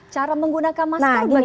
cara menggunakan masker bagaimana dok